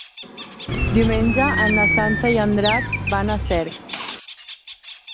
Diumenge na Sança i en Drac van a Cercs.